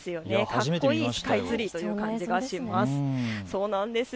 かっこいいスカイツリーという感じがします。